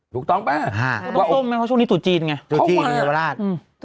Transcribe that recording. ถูกต้องปะส้มไหมเพราะช่วงนี้ตุ๋จีนไงตุ๋จีนยูโลวราชอืม